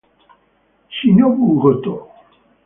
Shinobu Gotō